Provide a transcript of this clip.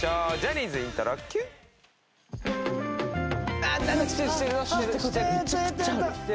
あっ！